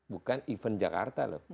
bukan event jakarta loh